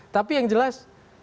tapi yang jelas